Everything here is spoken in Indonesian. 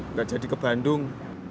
nggak jadi ke bandung